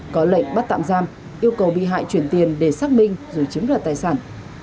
có lệnh bắt tạm giam yêu cầu bị hại chuyển tiền để xác minh rồi chiếm đoạt tài sản